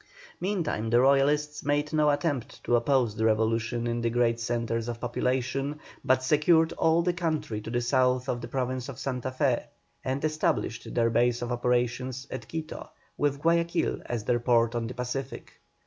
Meantime the Royalists made no attempt to oppose the revolution in the great centres of population, but secured all the country to the south of the Province of Santa Fé, and established their base of operations at Quito, with Guayaquil as their port on the Pacific.